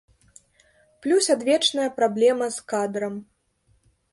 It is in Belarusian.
Плюс адвечная праблема з кадрам.